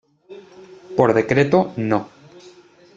Por decreto No.